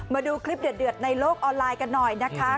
มาดูคลิปเดือดในโลกออนไลน์กันหน่อยนะคะ